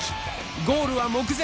ゴールは目前。